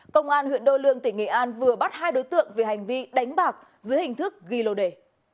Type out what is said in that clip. công an huyện đô lương tỉnh nghệ an vừa bắt hai đối tượng về hành vi đánh bạc dưới hình thức ghi lô đề